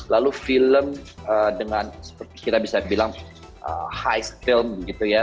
lalu film dengan seperti kita bisa bilang high film gitu ya